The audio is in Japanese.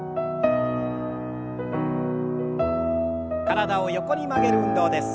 体を横に曲げる運動です。